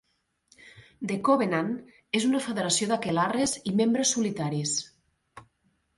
The Covenant és una confederació d'aquelarres i membres solitaris.